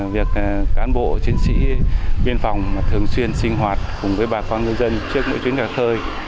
việc cán bộ chiến sĩ biên phòng thường xuyên sinh hoạt cùng với bà con ngư dân trước mỗi chuyến đoàn thơi